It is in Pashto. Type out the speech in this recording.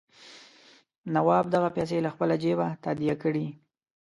نواب دغه پیسې له خپله جېبه تادیه کړي.